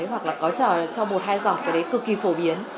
hoặc là có cho một hai giọt cái đấy cực kỳ phổ biến